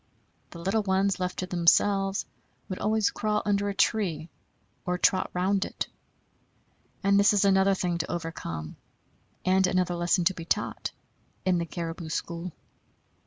The little ones, left to themselves, would always crawl under a tree, or trot round it. And this is another thing to overcome, and another lesson to be taught in the caribou school.